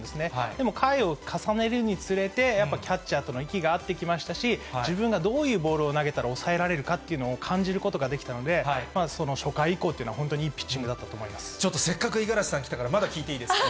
でも回を重ねるにつれて、やっぱキャッチャーとも息があってきましたし、自分がどういうボールを投げたら抑えられるかというのを感じることができたので、その初回以降っていうのは、本当にいいピッチンちょっとせっかく、五十嵐さん来たから、まだ聞いていいですか？